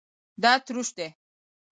دا تروش دی